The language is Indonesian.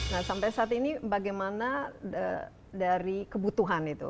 nah sampai saat ini bagaimana dari kebutuhan itu